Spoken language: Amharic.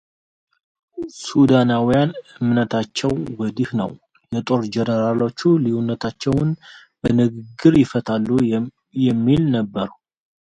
ሱዳናውያን እምነታቸው ወዲህ ነው የጦር ጀነራሎቹ ልዩነቶቻቸውን በንግግር ይፈታሉ የሚል ነበር።